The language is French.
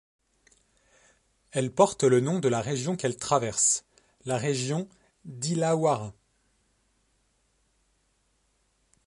Elle porte le nom de la région qu'elle traverse, la région d'Illawarra.